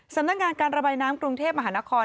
สำนักงานการระบายน้ำกรุงเทพมหานคร